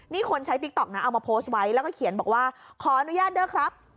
นี่คนใช้ติ๊กต๊อกนะเอามาโพสต์ไว้แล้วก็เขียนบอกว่าขออนุญาตเด้อครับ